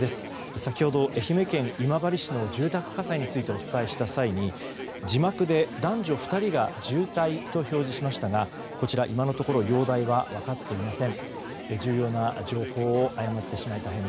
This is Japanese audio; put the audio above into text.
先ほど愛媛県今治市の住宅火災についてお伝えした際に字幕で男女２人が重体と表示しましたがこちら今のところ容体は分かっていません。